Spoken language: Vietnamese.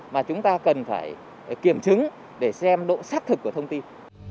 mà chúng ta cần phải kiểm chứng để xem độ xác thực của thông tin